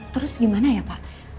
terus gimana ya pak